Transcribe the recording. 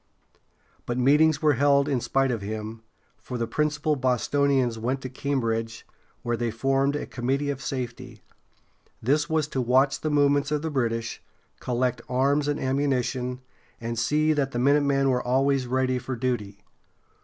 But meetings were held in spite of him, for the principal Bostonians went to Cambridge, where they formed a Committee of Safety. This was to watch the movements of the British, collect arms and ammunition, and see that the minutemen were always ready for duty.